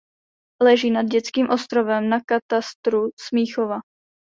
Leží nad Dětským ostrovem na katastru Smíchova.